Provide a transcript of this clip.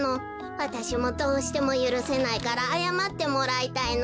わたしもどうしてもゆるせないからあやまってもらいたいの。